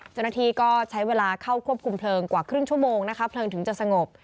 เจ้าหน้าที่ก็ใช้เวลาเข้าควบคุมเพลิงกว่าครึ่งชั่วโมงนะคะเพลิงถึงจะสงบ